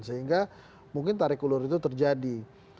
sehingga mungkin tarik ulur itu terjadi